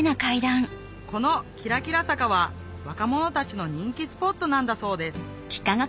このきらきら坂は若者たちの人気スポットなんだそうです